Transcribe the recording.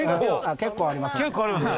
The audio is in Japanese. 結構ありますね。